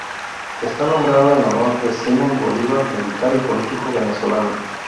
Está nombrado en honor de Simón Bolívar, militar y político venezolano.